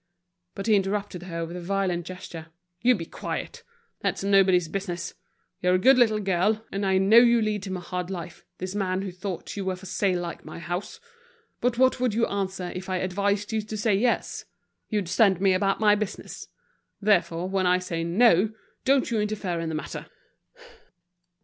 But he interrupted her with a violent gesture. "You be quiet. That's nobody's business. You're a good little girl, and I know you lead him a hard life, this man who thought you were for sale like my house. But what would you answer if I advised you to say 'yes?' You'd send me about my business. Therefore, when I say 'no,' don't you interfere in the matter."